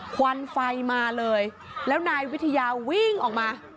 ควันไฟมาเลยแล้วนายวิทยาวิ่งออกมา